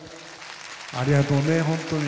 ありがとうね本当に。